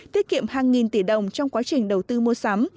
tiết kiệm hàng nghìn tỷ đồng trong quá trình đầu tư mua sắm